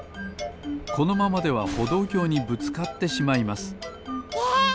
このままではほどうきょうにぶつかってしまいますええっ！？